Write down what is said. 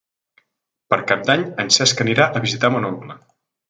Per Cap d'Any en Cesc anirà a visitar mon oncle.